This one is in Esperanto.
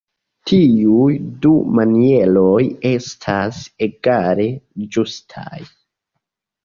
Tiuj du manieroj estas egale ĝustaj.